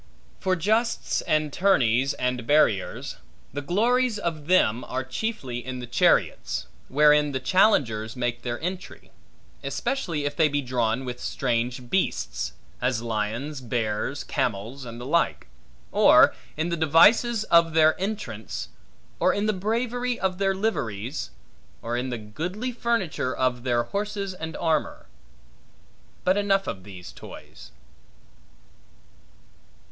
For justs, and tourneys, and barriers; the glories of them are chiefly in the chariots, wherein the challengers make their entry; especially if they be drawn with strange beasts: as lions, bears, camels, and the like; or in the devices of their entrance; or in the bravery of their liveries; or in the goodly furniture of their horses and armor. But enough of these toys.